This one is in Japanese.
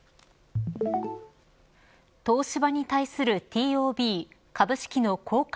東芝に対するＴＯＢ＝株式の公開